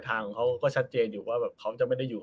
ทางเขาก็ชัดเจนอยู่ว่าแบบเขาจะไม่ได้อยู่